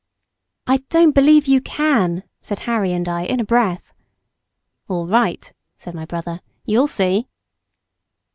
"I don't believe you can," said Harry and I in a breath. "All right," said my brother, "you'll see!"